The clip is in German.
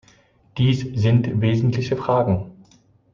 Dies sind wesentliche Fragen.